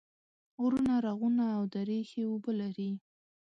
غرونه، رغونه او درې ښې اوبه لري